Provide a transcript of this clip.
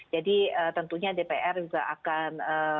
jadi tentunya dpr juga akan